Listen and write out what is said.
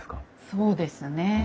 そうですね。